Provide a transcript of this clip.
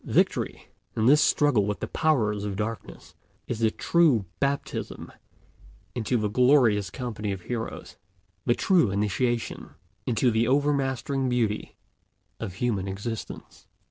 Victory, in this struggle with the powers of darkness, is the true baptism into the glorious company of heroes, the true initiation into the overmastering beauty of human existence.